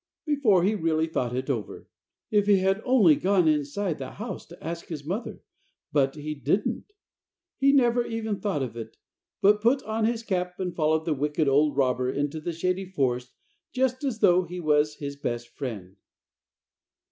before he really thought it over. If he had only gone inside the house to ask his mother. But he didn't. He never even thought of it, but put on his cap and followed that wicked old robber into the Shady Forest just as though he was his best friend.